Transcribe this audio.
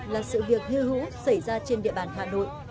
xảy ra trên địa bàn hà nội